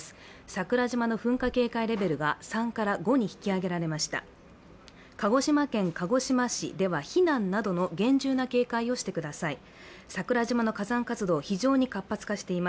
桜島の噴火警戒レベルが３から５に引き上げられました鹿児島県鹿児島市では避難などの厳重な警戒をしてください